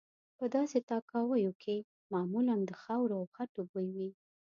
په داسې تاکاویو کې معمولا د خاورو او خټو بوی وي.